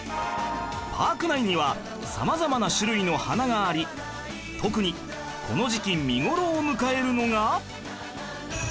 パーク内には様々な種類の花があり特にこの時期見頃を迎えるのが